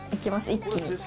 一気に。